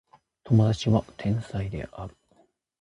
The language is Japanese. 友達は天才である